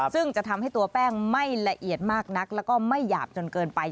ซึ่งจะทำให้ตัวแป้งไม่ละเอียดมากนักแล้วก็ไม่หยาบจนเกินไป